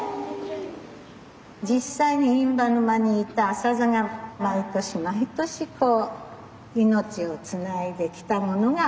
実際に印旛沼にいたアサザが毎年毎年こう命をつないできたものが今あるんです。